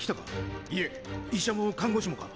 医者も看護師もか？